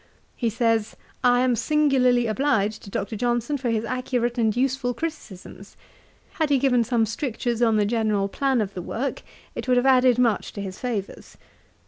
He says, "I am singularly obliged to Dr. Johnson for his accurate and useful criticisms. Had he given some strictures on the general plan of the work, it would have added much to his favours."